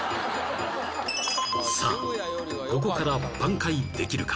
さあここから挽回できるか？